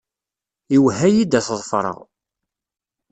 Iwehha-iyi-d ad t-ḍefreɣ.